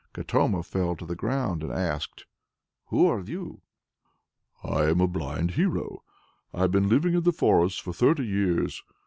Katoma fell to the ground, and asked: "Who are you?" "I'm a blind hero. I've been living in the forest for thirty years.